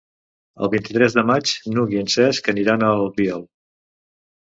El vint-i-tres de maig n'Hug i en Cesc aniran a l'Albiol.